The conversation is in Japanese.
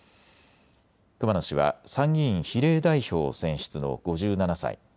熊野氏は参議院比例代表選出の５７歳。